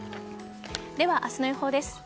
では明日の予報です。